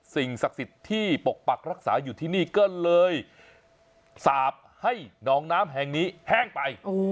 สิ่งศักดิ์สิทธิ์ที่ปกปักรักษาอยู่ที่นี่ก็เลยสาบให้หนองน้ำแห่งนี้แห้งไป